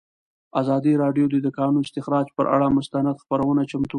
ازادي راډیو د د کانونو استخراج پر اړه مستند خپرونه چمتو کړې.